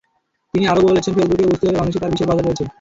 তিনি আরও বলেছেন ফেসবুককে বুঝতে হবে বাংলাদেশে তাদের বিশাল বাজার রয়েছে।